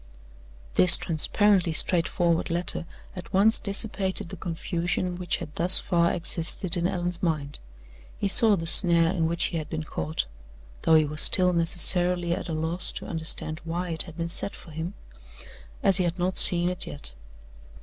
This transparently straightforward letter at once dissipated the confusion which had thus far existed in Allan's mind. He saw the snare in which he had been caught (though he was still necessarily at a loss to understand why it had been set for him) as he had not seen it yet.